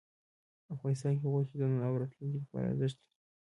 افغانستان کې غوښې د نن او راتلونکي لپاره ارزښت لري.